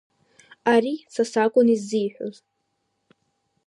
Ари са сакәын иззиҳәоз.